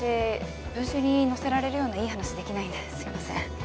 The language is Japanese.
文集に載せられるようないい話できないんですいません